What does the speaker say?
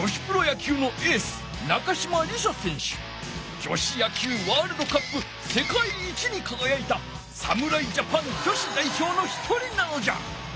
女子野球ワールドカップせかい一にかがやいた侍ジャパン女子だいひょうの一人なのじゃ。